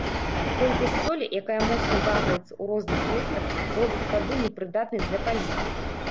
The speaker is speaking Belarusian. Колькасць солі, якая моцна вагаецца ў розных месцах, робіць ваду непрыдатнай для паліву.